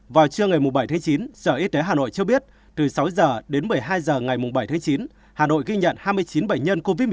vào trưa ngày bảy tháng chín sở y tế hà nội cho biết từ sáu h đến một mươi hai h ngày bảy tháng chín hà nội ghi nhận hai mươi chín bệnh nhân covid một mươi chín